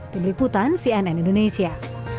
terliputan cnn indonesia